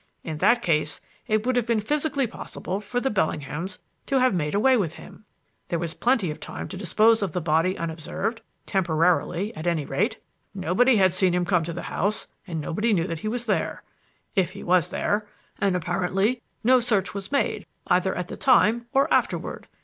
In that case it would have been physically possible for the Bellinghams to have made away with him. There was plenty of time to dispose of the body unobserved temporarily, at any rate. Nobody had seen him come to the house, and nobody knew that he was there if he was there; and apparently no search was made either at the time or afterward.